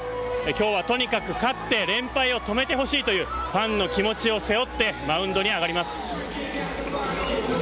今日はとにかく勝って連敗を止めてほしいというファンの気持ちを背負ってマウンドに上がります。